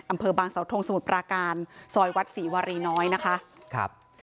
อำเภอบางสาวทงสมุทรปราการซอยวัดศรีวารีน้อยนะคะครับ